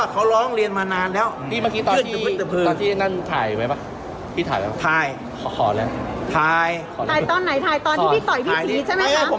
เข้าไปตบแค่พัวเดียวนั่นเอง